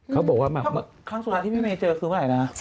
ครั้งสุดท้ายที่พี่เมย์เจอคือเมื่อไหนนะ